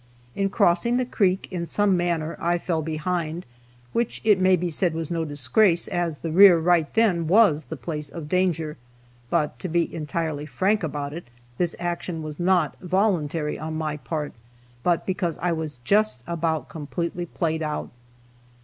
In crossing the creek, in some manner I fell behind, which it may be said was no disgrace, as the rear, right then, was the place of danger. But, to be entirely frank about it, this action was not voluntary on my part, but because I was just about completely played out.